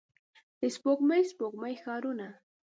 د سپوږمۍ، سپوږمۍ ښارونو